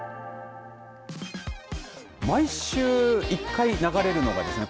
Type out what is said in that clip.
毎週、１回流れるのがですね